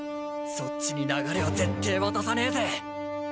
そっちに流れは絶対渡さねえぜ！